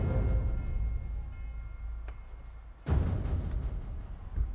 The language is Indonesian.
setiap orang tentu menyembah oleh bapak